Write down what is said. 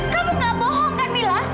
kamu nggak bohong kan kamilah